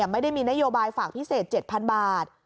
ไม่ได้มีนโยบายฝากพิเศษ๗๐๐บาท